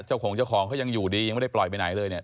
เจ้าของเจ้าของเขายังอยู่ดียังไม่ได้ปล่อยไปไหนเลยเนี่ย